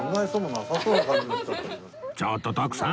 ちょっと徳さん！